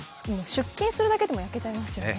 出勤するだけでも焼けちゃいますよね。